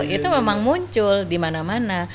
itu memang muncul di mana mana